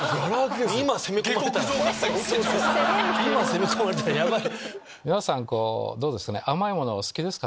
今攻め込まれたらヤバい。